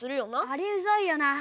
あれうざいよな。